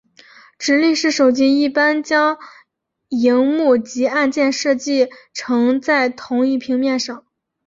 直立式手机一般将萤幕及按键设计成在同一平面上。